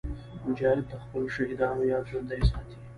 مجاهد د خپلو شهیدانو یاد ژوندي ساتي.